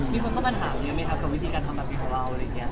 มีคนเข้ามาถามเยอะมั้ยครับวิธีการทำแบบนี้ของเรา